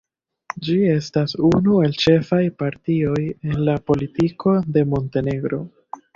Ĝi estas unu el ĉefaj partioj en la politiko de Montenegro.